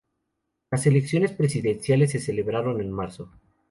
Las elecciones presidenciales se celebraron en marzo.